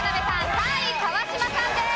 ３位川島さんです。